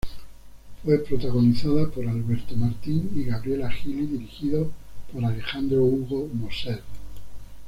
Fue protagonizada por Alberto Martín y Gabriela Gili dirigidos por Alejandro Hugo Moser.